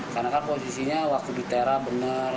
karena kan posisinya waktu diterah bener